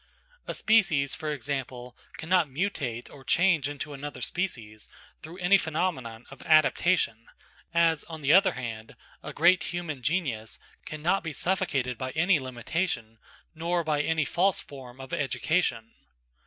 A species, for example, cannot mutate or change into another species through any phenomenon of adaptation, as, on the other hand, a great human genius cannot be suffocated by any limitation, nor by any false form of education.